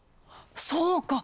そうか。